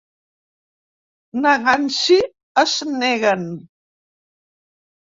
Negant-s'hi es neguen.